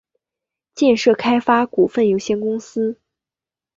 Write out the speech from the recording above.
建设开发股份有限公司